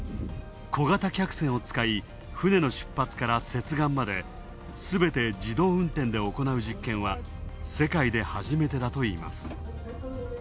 小型旅客船を使い、船の出発から接岸まですべて自動運転で行う実験は、世界ではじめてだといいます。